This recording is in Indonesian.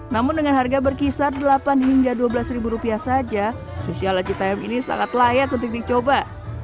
namun dengan harga berkisar rp delapan rp dua belas saja sushi ala cita yam ini sangat layak untuk dicoba